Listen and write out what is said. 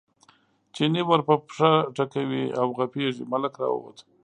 چیني ور په پښه ټکوي او غپېږي، ملک راووت.